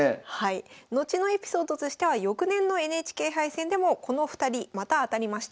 後のエピソードとしては翌年のＮＨＫ杯戦でもこの２人またあたりました。